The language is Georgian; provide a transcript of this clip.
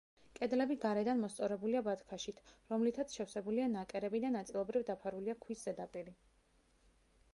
კედლები გარედან მოსწორებულია ბათქაშით, რომლითაც შევსებულია ნაკერები და ნაწილობრივ დაფარულია ქვის ზედაპირი.